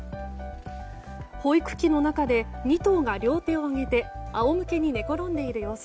保育器の中で２頭が両手を上げて仰向けに寝転んでいる様子。